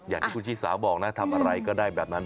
อย่างที่คุณชิสาบอกนะทำอะไรก็ได้แบบนั้น